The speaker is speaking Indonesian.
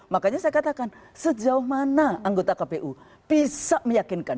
makanya saya katakan sejauh mana anggota kpu bisa meyakinkan